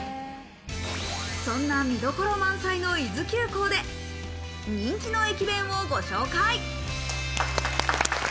そんな見どころ満載の伊豆急行で人気の駅弁をご紹介。